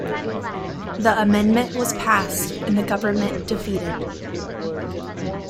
The amendment was passed and the government defeated.